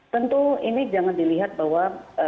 tentu ini jangan dilihat bahwa